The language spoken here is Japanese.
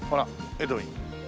エドウイン。